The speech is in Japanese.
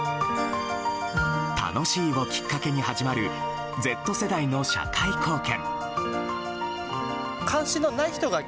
楽しいをきっかけに始まるＺ世代の社会貢献。